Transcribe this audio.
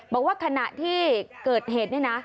บอกว่าขณะที่เกิดเหตุนี่นะ